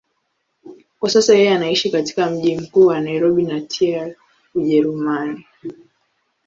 Kwa sasa yeye anaishi katika mji mkuu wa Nairobi na Trier, Ujerumani.